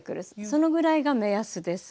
そのぐらいが目安です。